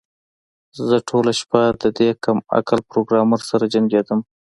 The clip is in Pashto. زه ټوله شپه د دې کم عقل پروګرامر سره جنګیدم